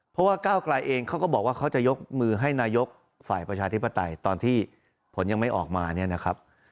เพราะว่าก้าวกลายเองเขาก็บอกว่าเขาจะยกมือให้นายกฝ่ายประชาธิปไตยตอนที่ผลยังไม่ออกมาเนี่ยนะครับ